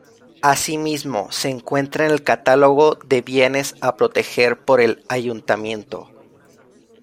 Asimismo, se encuentra en el catálogo de bienes a proteger por el ayuntamiento.